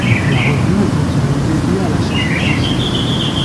La revue est entièrement dédiée à la chanson française.